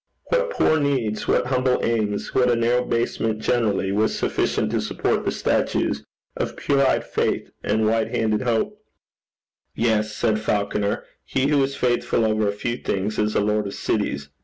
What poor needs, what humble aims, what a narrow basement generally, was sufficient to support the statues of pure eyed Faith and white handed Hope.' 'Yes,' said Falconer: 'he who is faithful over a few things is a lord of cities.